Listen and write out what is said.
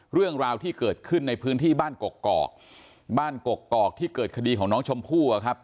เรื่องราวที่เกิดขึ้นในพื้นที่บ้านกกอกบ้านกกอกที่เกิดคดีของน้องชมพู่อะครับ